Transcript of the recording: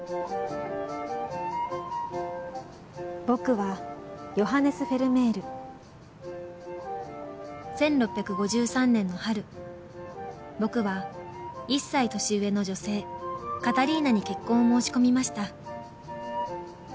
「僕はヨハネス・フェルメール」「１６５３年の春僕は１歳年上の女性カタリーナに結婚を申し込みました」